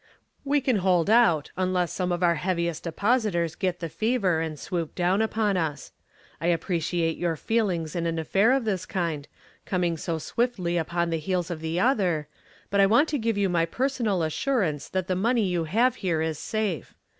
"We can hold out unless some of our heaviest depositors get the fever and swoop down upon us. I appreciate your feelings in an affair of this kind, coming so swiftly upon the heels of the other, but I want to give you my personal assurance that the money you have here is safe.